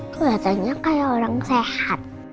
keliatannya kayak orang sehat